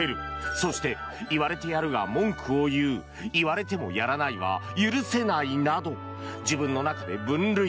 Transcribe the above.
そして言われてやるが文句を言う言われてもやらないは許せないなど自分の中で分類。